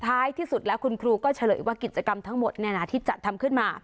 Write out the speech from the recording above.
ท้ายที่สุดแล้วคุณครูก็เฉลยว่ากิจกรรมทั้งหมดที่จัดทำขึ้นมา